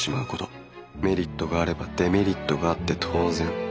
メリットがあればデメリットがあって当然。